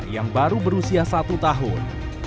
yang baru berusia satu tahun